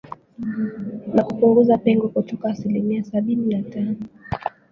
na kupunguza pengo kutoka asilimia sabini na tano